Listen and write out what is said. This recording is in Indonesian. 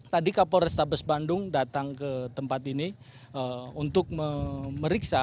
tadi kapol restabes bandung datang ke tempat ini untuk memeriksa